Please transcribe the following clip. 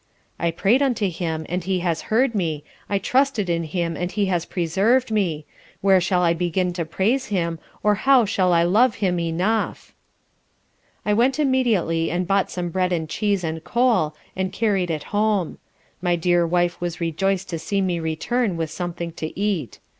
_ I pray'd unto Him, and He has heard me; I trusted in Him and He has preserv'd me: where shall I begin to praise Him, or how shall I love Him enough? I went immediately and bought some bread and cheese and coal and carried it home. My dear wife was rejoiced to see me return with something to eat.